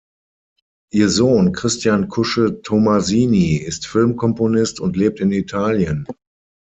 Ihr Sohn Christian Kusche-Tomasini ist Filmkomponist und lebt in Italien.